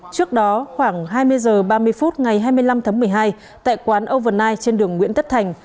trước đó khoảng hai mươi h ba mươi phút ngày hai mươi năm tháng một mươi hai tại quán overnight trên đường nguyễn tất thành